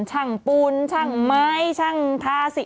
ชั่งปูนชั่งไม้ชั่งทาสี